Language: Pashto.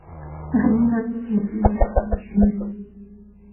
غرونه سیندونه او ځنګلونه.